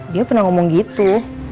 dia pernah ngomong gitu